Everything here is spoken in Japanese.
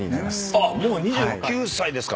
あっもう２９歳ですか。